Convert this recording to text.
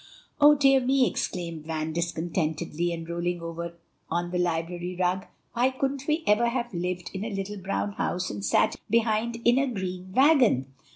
"Oh, dear me!" exclaimed Van discontentedly, and rolling over on the library rug; "why couldn't we ever have lived in a little brown house and sat in behind in a green wagon."